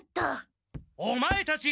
オマエたち！